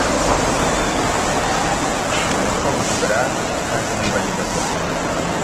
On el sol no tocarà, casa no hi vagis a plantar.